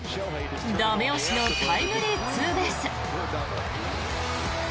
駄目押しのタイムリーツーベース。